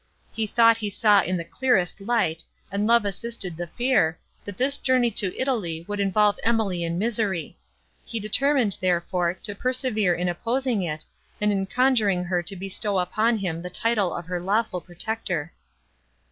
He thought he saw in the clearest light, and love assisted the fear, that this journey to Italy would involve Emily in misery; he determined, therefore, to persevere in opposing it, and in conjuring her to bestow upon him the title of her lawful protector.